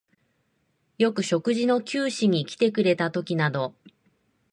よく食事の給仕にきてくれたときなど、